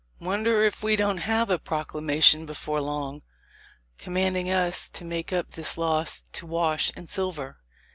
Wonder if we don't have a proclamation before long, commanding us to make up this loss to Wash in silver."